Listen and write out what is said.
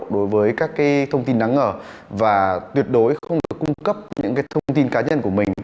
đối với các thông tin đáng ngờ và tuyệt đối không được cung cấp những thông tin cá nhân của mình